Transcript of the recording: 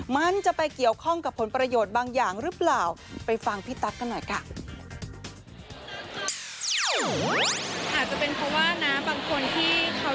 มันจะไปเกี่ยวข้องกับผลประโยชน์บางอย่างหรือเปล่าไปฟังพี่ตั๊กกันหน่อยค่ะ